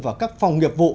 và các phòng nghiệp vụ